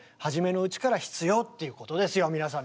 皆さんね。